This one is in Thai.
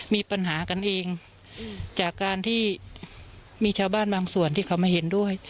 มีปัญหากันเองจากการที่มีชาวบ้านบางส่วนที่เขาไม่เห็นด้วย